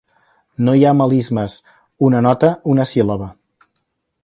No hi ha melismes: una nota, una síl·laba.